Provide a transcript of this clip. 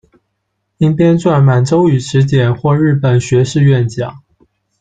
因编纂《满洲语辞典》获日本学士院奖。